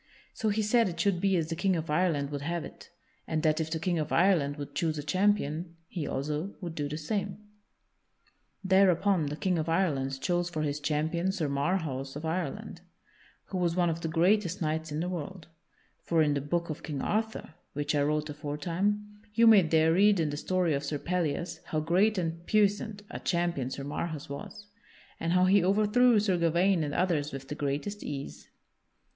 So he said it should be as the King of Ireland would have it, and that if the King of Ireland would choose a champion, he also would do the same. [Sidenote: The King of Ireland chooses Sir Marhaus for his champion] Thereupon the King of Ireland chose for his champion Sir Marhaus of Ireland, who was one of the greatest knights in the world. For in the Book of King Arthur (which I wrote aforetime) you may there read in the story of Sir Pellias how great and puissant a champion Sir Marhaus was, and how he overthrew Sir Gawaine and others with the greatest ease.